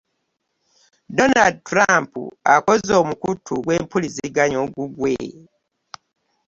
Donald Trump akoze omukutu gw'empuliziganya ogugwe.